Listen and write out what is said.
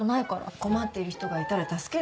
困っている人がいたら助ける。